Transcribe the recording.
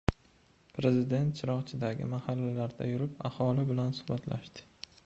Prezident Chirchiqdagi mahallalarda yurib, aholi bilan suhbatlashdi